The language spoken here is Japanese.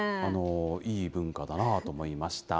いい文化だなと思いました。